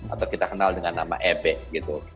atau kita kenal dengan nama ebek gitu